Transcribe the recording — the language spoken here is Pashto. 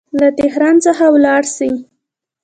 له تهران څخه ولاړ سي.